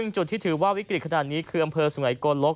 จุดที่ถือว่าวิกฤตขนาดนี้คืออำเภอสุงัยโกลก